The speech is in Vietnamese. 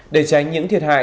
để tránh những thiệt hại